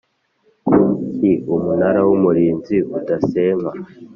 ku ki Umunara w Umurinzi udasenywa